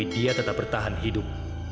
dia tetap bertahan hidup